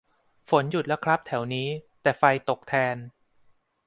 ฝนหยุดแล้วครับแถวนี้ แต่ไฟตกแทน